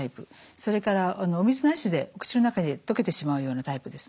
それからお水なしでお口の中で溶けてしまうようなタイプですね。